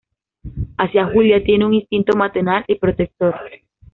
Hacia Julia tiene un instinto maternal y protector.